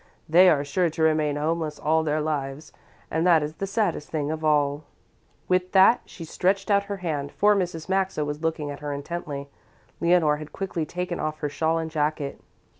They are sure to remain homeless all their lives, and that is the saddest thing of all." With that she stretched out her hand, for Mrs. Maxa was looking at her intently. Leonore had quickly taken off her shawl and jacket.